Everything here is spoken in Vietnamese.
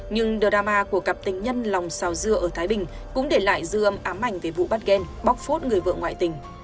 nhưng drama của cặp tình nhân lòng xào dưa ở thái bình cũng để lại dư âm ám ảnh về vụ bắt ghen bóc phốt người vợ ngoại tình